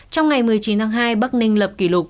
trong ngày một mươi chín tháng hai bắc ninh lập kỷ lục